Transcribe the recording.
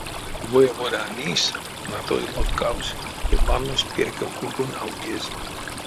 Воеводань нись натой лоткавсь ды ваннось перька кургонь автезь.